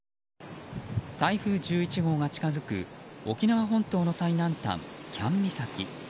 台風１１号が近づく沖縄本島の最南端、喜屋武岬。